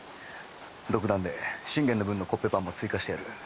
独断でシンゲンの分のコッペパンも追加してやる。